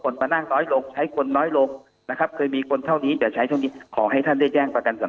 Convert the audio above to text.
นะครับค่ะก็ซึ่งก็